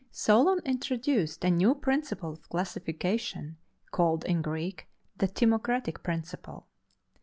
Solon introduced a new principle of classification called in Greek the "timocratic principle."